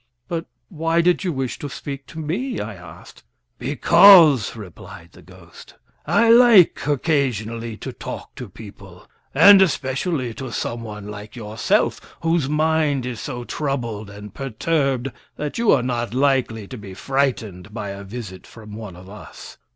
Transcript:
"But why did you wish to speak to me?" I asked. "Because," replied the ghost, "I like occasionally to talk to people, and especially to someone like yourself, whose mind is so troubled and perturbed that you are not likely to be frightened by a visit from one of us.